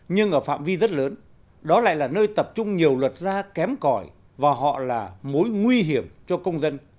nhưng ở phạm vi rất lớn đó lại là nơi tập trung nhiều luật ra kém cõi và họ là mối nguy hiểm cho công dân